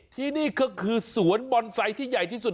ที่นี่ก็คือสวนบอนไซต์ที่ใหญ่ที่สุด